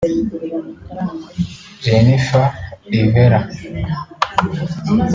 Jennifer Rivera